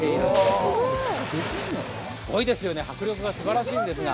すごいですよね、迫力がすばらしいんですが。